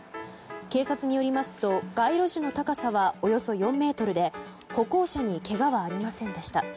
警察によりますと街路樹の高さはおよそ４ｍで歩行者にけがはありませんでした。